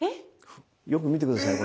よく見て下さい。